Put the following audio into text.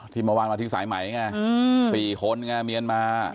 เมื่อวานมาที่สายไหมไง๔คนไงเมียนมา